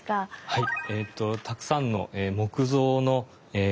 はい。